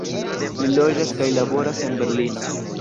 Li loĝas kaj laboras en Berlino.